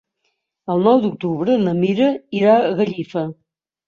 El nou d'octubre na Mira irà a Gallifa.